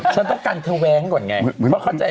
ฉันต้องการพี่เธอแว้งให้ก่อนไง